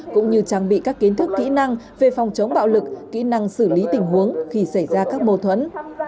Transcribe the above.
cũng như trang bị các kiến thức kỹ năng về phòng chống bạo lực kỹ năng xử lý tình huống khi xảy ra các mâu thuẫn